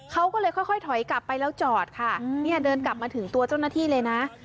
เขาก็เลยค่อยถอยกลับไปแล้วจอดค่ะเนี่ยเดินกลับมาถึงตัวเจ้าหน้าที่เลยนะ